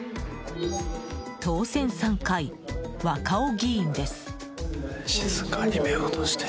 当選３回、若尾議員です。